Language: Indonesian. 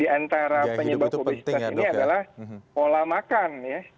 di antara penyebab obesitas ini adalah pola makan ya